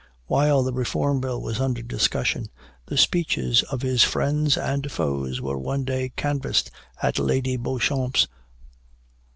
While the Reform Bill was under discussion, the speeches of its friends and foes were one day canvassed at Lady Beauchamp's.